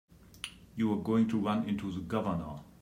You're going to run into the Governor.